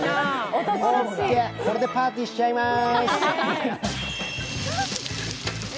オッケー、これでパーティーしちゃいます。